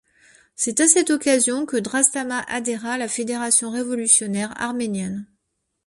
C'est à cette occasion que Drastamat adhéra à la Fédération révolutionnaire arménienne.